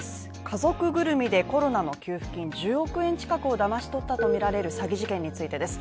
家族ぐるみでコロナの給付金１０億円近くをだまし取ったとみられる詐欺事件についてです